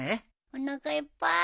おなかいっぱい。